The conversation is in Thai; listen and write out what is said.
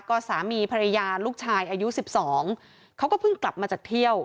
ก็สามีภรรยาลูกชายอายุ๑๒เขาก็เพิ่งกลับมาจากเที่ยว